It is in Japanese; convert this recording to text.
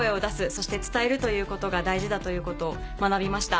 そして伝えるということが大事だということを学びました。